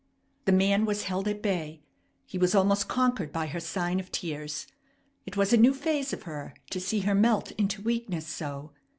The man was held at bay. He was almost conquered by her sign of tears. It was a new phase of her to see her melt into weakness so.